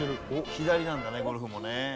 左なんだねゴルフもね。